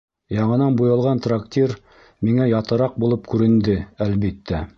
Яңынан буялған трактир миңә ятыраҡ булып күренде, әлбиттә.